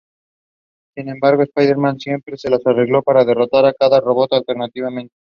Sin embargo, Spider-Man siempre se las arregló para derrotar a cada robot alternativamente.